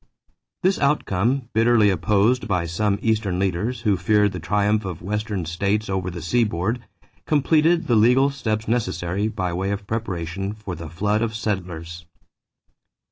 This outcome, bitterly opposed by some Eastern leaders who feared the triumph of Western states over the seaboard, completed the legal steps necessary by way of preparation for the flood of settlers.